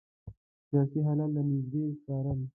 سیاسي حالات له نیژدې څارل.